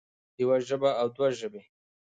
يوه ژبه او دوه ژبې